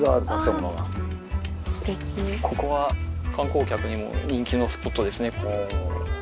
ここは観光客にも人気のスポットですね。